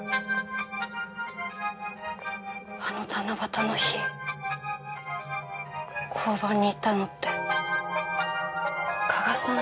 あの七夕の日交番にいたのって加賀さん